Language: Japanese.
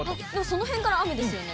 そのへんから雨ですよね。